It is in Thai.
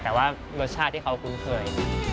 แต่ว่ารสชาติที่เขาคุ้นเคย